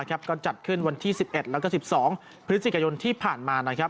ก็จัดขึ้นวันที่๑๑แล้วก็๑๒พฤศจิกายนที่ผ่านมานะครับ